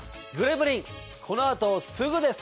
このあとすぐです！